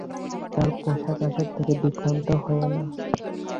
তাঁর পোশাক-আশাক দেখে বিভ্রান্ত হয়ে না।